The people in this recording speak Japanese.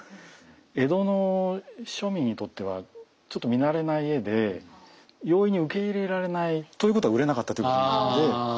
江戸の庶民にとってはちょっと見慣れない絵で容易に受け入れられない。ということは売れなかったということなんで。